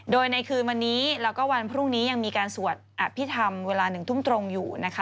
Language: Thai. โดยในคืนวันนี้แล้วก็วันพรุ่งนี้ยังมีการสวดอภิษฐรรมเวลา๑ทุ่มตรงอยู่นะคะ